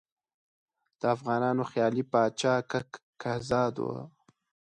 د افغانانو خیالي پاچا کک کهزاد وو.